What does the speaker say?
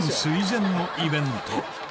ぜんのイベント